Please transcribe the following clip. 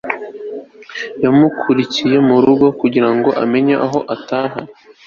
yamukurikiye mu rugo kugira ngo amenye aho atuye